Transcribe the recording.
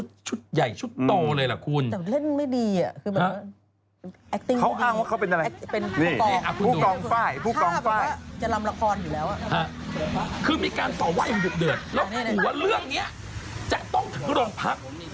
ผู้กองไฟ่คือมีการต่อไหว้อย่างดุกเดิดแล้วหัวเรื่องนี้จะต้องถึงร่องพัก